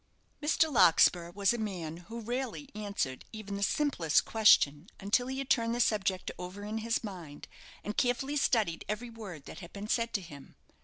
Mr. Larkspur was a man who rarely answered even the simplest question until he had turned the subject over in his mind, and carefully studied every word that had been said to him.